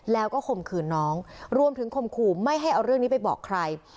แล้วก็ข่มขืนน้องรวมถึงข่มขู่ไม่ให้เอาเรื่องนี้ไปบอกใคร